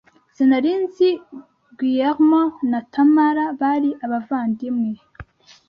Sinari nzi Guillermo na Tamara bari abavandimwe.